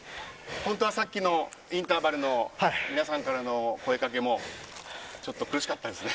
本当はさっきのインターバルの皆さんからの声掛けも苦しかったんですね。